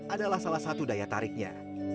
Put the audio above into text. adalah salah satu daya tariknya